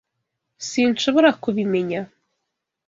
Sinshobora kubimenya.